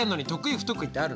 不得意ってあるの？